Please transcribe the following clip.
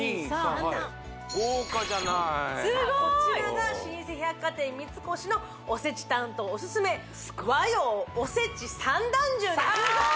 豪華じゃなーいさあこちらが老舗百貨店三越のおせち担当おすすめ和洋おせち三段重です